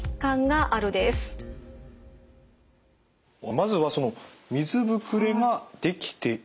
まずはその水ぶくれができている。